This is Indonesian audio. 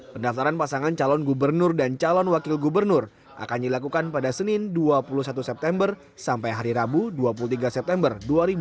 pendaftaran pasangan calon gubernur dan calon wakil gubernur akan dilakukan pada senin dua puluh satu september sampai hari rabu dua puluh tiga september dua ribu dua puluh